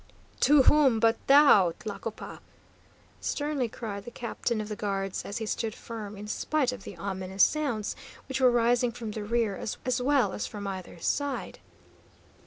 "To whom but thou, Tlacopa?" sternly cried the captain of the guards, as he stood firm in spite of the ominous sounds which were rising from the rear, as well as from either side.